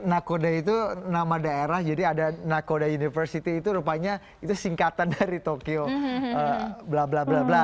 nakoda itu nama daerah jadi ada nakoda university itu rupanya itu singkatan dari tokyo bla bla bla bla